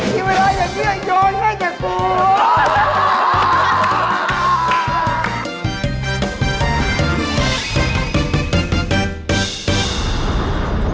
ทีเวลาอย่างเงี้ยโยนให้แต่กู